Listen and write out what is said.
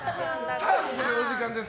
ここでお時間です。